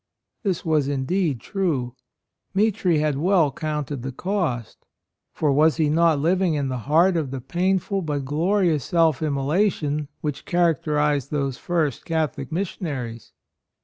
This was indeed true. Mitri had well counted the cost; for was he not living in the heart of the painful but glorious self immolation which characterized those first Catholic missionaries?